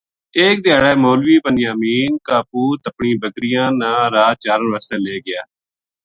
ایک دھیاڑے مولوی بنیامین کا پُوت اپنی بکریاں نا رات چارن واسطے لے گیا